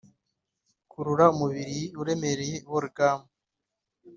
kurura umubiri uremereye: i waereghem